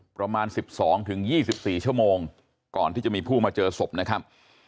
ประมาณ๑๒๒๔ชั่วโมงก่อนที่จะมีผู้มาเจอศพนะครับ